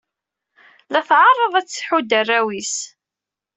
La tɛerreḍ ad tḥudd arraw-is.